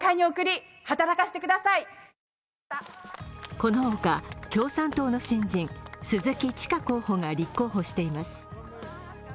このほか、共産党の新人鈴木千佳候補が立候補しています。